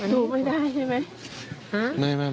ดูไม่ได้ใช่ไหม